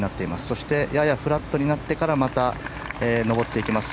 そしてややフラットになってからまた上っていきます。